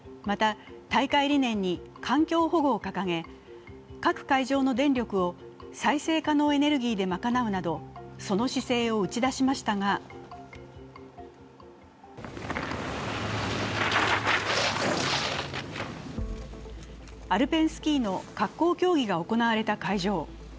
また、大会理念に環境保護を掲げ、各会場の電力を再生可能エネルギーで賄うなどその姿勢を打ち出しましたがアルペンスキーの滑降競技が行われた会場。